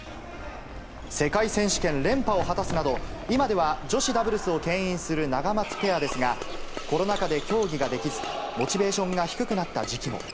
世界選手権連覇を果たすなど、今では女子ダブルスをけん引するナガマツペアですが、コロナ禍で競技ができず、モチベーションが低くなった時期も。